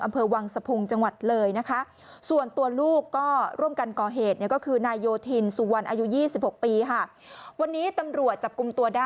อำเภอวังสะพุงจังหวัดเลยนะคะ